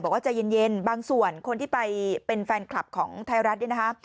บอกว่าใจเย็นบางส่วนคนที่ไปเป็นแฟนคลับของไทยรัฐเนี่ยนะคะ